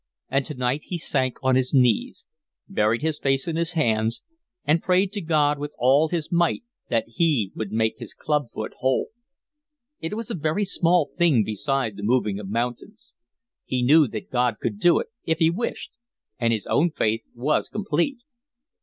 And tonight he sank on his knees; buried his face in his hands, and prayed to God with all his might that He would make his club foot whole. It was a very small thing beside the moving of mountains. He knew that God could do it if He wished, and his own faith was complete.